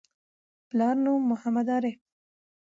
پلار نوم: محمد عارف